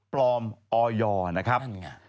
ปลอมออยนะครับ